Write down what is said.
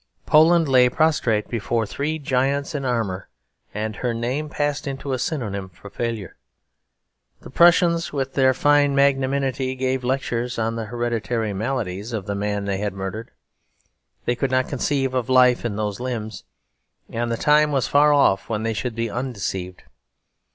Poland lay prostrate before three giants in armour, and her name passed into a synonym for failure. The Prussians, with their fine magnanimity, gave lectures on the hereditary maladies of the man they had murdered. They could not conceive of life in those limbs; and the time was far off when they should be undeceived.